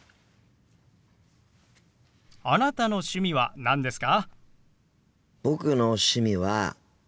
あなたの趣味は何ですか？